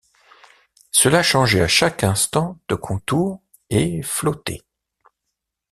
Cela changeait à chaque instant de contour et flottait.